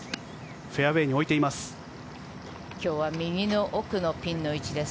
フェアウェーに置いています。